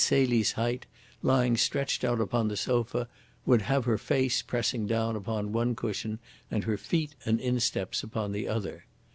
Celie's height lying stretched out upon the sofa would have her face pressing down upon one cushion and her feet and insteps upon the other.